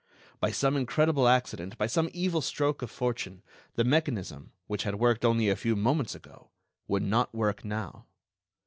By some incredible accident, by some evil stroke of fortune, the mechanism, which had worked only a few moments ago, would not work now.